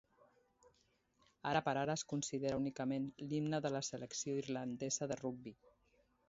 Ara per ara, es considera, únicament, l'himne de la selecció irlandesa de rugbi.